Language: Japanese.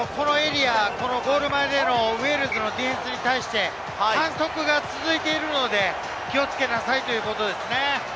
ゴール前でのウェールズのディフェンスに対して反則が続いているので気をつけなさいということですね。